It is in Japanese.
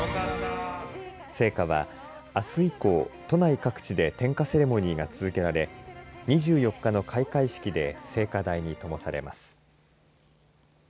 聖火はあす以降都内各地で点火セレモニーが続けられ２４日の開会式で聖火台にともされます。